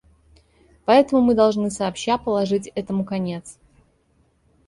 Поэтому мы должны сообща положить этому конец.